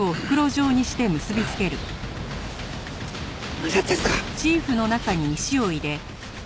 何やってんすか！？